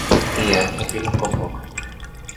Y a este fin los convoca